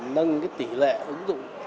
nâng cái tỉ lệ ứng dụng